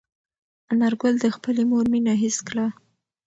انارګل د خپلې مور مینه حس کړه.